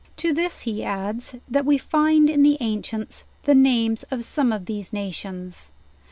To this he adds, that we find in the ancients the names of some of these nations.